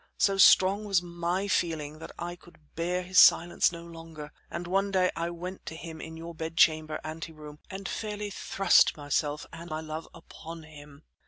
So strong was my feeling that I could bear his silence no longer, and one day I went to him in your bed chamber ante room and fairly thrust myself and my love upon him.